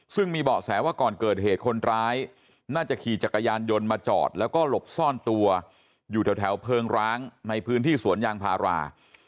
ซึ่งมีเบาะแสว่าก่อนเกิดเหตุคนร้ายน่าจะขี่จักรยานยนต์มาจอดแล้วก็หลบซ่อนตัวอยู่แถวเพลิงร้างในพื้นที่สวนยางพารา